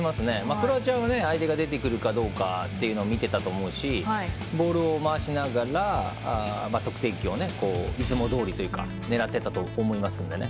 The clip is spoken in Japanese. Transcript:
クロアチアは相手が出てくるかを見てたと思うしボールを回しながら得点機をいつもどおり狙っていたと思いますので。